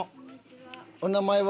お名前は？